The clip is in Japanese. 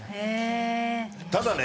ただね